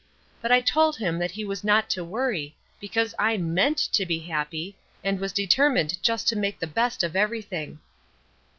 But I told him that he was not to worry, because I meant to be happy, and was determined just to make the best of everything.